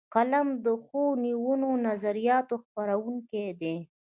قلم د ښو نویو نظریاتو خپروونکی دی